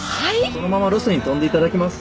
そのままロスに飛んでいただきます。